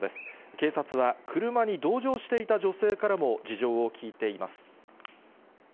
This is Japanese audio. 警察は車に同乗していた女性からも事情を聴いています。